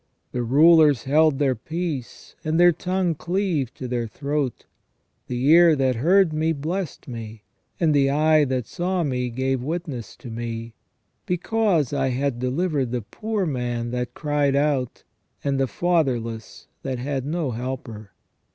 The rulers held their peace, and their tongue cleaved to their throat. The ear that heard me blessed me ; and the eye that saw me gave witness to me ; be cause I had delivered the poor man that cried out, and the father less that had no helper.